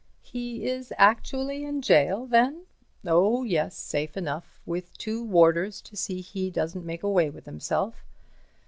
"He is actually in gaol, then?" "Oh, yes—safe enough—with two warders to see he doesn't make away with himself."